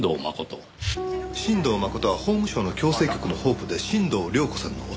新堂誠は法務省の矯正局のホープで新堂亮子さんの夫。